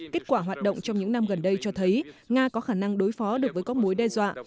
kết quả hoạt động trong những năm gần đây cho thấy nga có khả năng đối phó được với các mối đe dọa